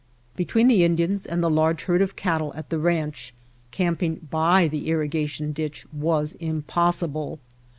Between the Indians and the large herd of cattle at the ranch, camping by the irri ^ gation ditch was impossible.